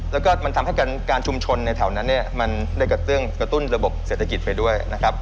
แล้วก็มันทำให้การชุมชนในแถวนั้นเนี่ยมันได้กระตุ้นระบบเศรษฐกิจไปด้วยนะครับ